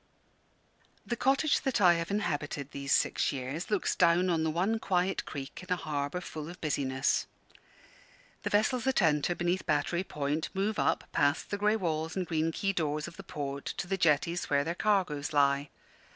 The cottage that I have inhabited these six years looks down on the one quiet creek in a harbour full of business. The vessels that enter beneath Battery Point move up past the grey walls and green quay doors of the port to the jetties where their cargoes lie.